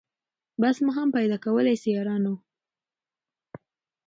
بس ما هم پیدا کولای سی یارانو